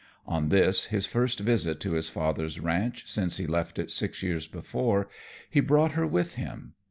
On this, his first visit to his father's ranch since he left it six years before, he brought her with him.